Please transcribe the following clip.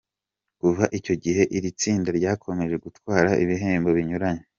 Kuva icyo gihe iri tsinda ryakomeje gutwara ibihembo binyuranye.